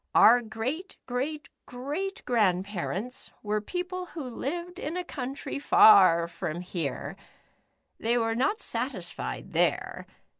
Our great great great grandparents were people who lived in a country far from here. They were not satisfied there.